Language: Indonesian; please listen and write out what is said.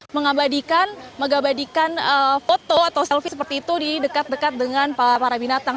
mengabadikan foto atau selfie seperti itu di dekat dekat dengan para binatang